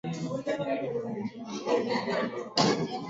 unaweza kujitambua kupitia dalili zifuatazo